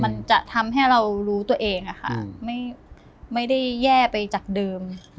มันจะทำให้เรารู้ตัวเองอะค่ะไม่ได้แย่ไปจากเดิม